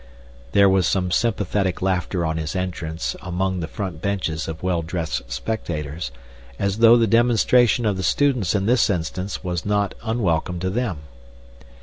There was some sympathetic laughter on his entrance among the front benches of well dressed spectators, as though the demonstration of the students in this instance was not unwelcome to them.